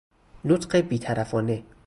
نطق بیطرفانه